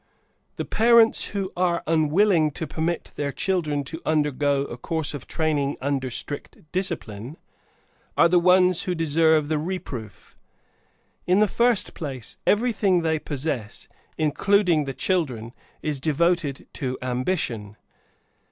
The parents who are unwilling to permit their children to undergo a course of training under strict discipline, are the ones who deserve the reproof. In the first place, everything they possess, including the children, is devoted to ambition.